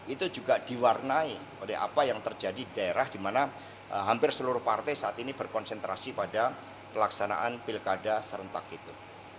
itu juga diwarnai oleh apa yang terjadi di daerah di mana hampir seluruh partai saat ini berkonsentrasi pada pelaksanaan pilkada serentak itu